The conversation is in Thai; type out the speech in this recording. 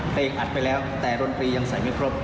เสร็จไปแล้วแต่โรงพรียังใส่ไม่ครบ